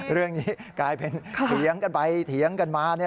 เรื่องนี้กลายเป็นเถียงกันไปเถียงกันมา